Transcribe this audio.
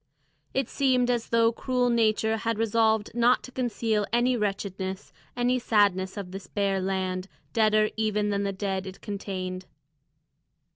It seemed as though cruel nature had resolved not to conceal any wretchedness, any sadness of this bare land, deader even than the dead it contained.